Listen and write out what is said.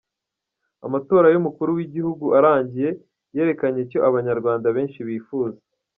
Amatora y’umukuru w’igihugu arangiye, yerekanye icyo Abanyarwanda benshi bifuza.